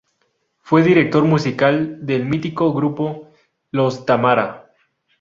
Fue director musical del mítico grupo Los Tamara.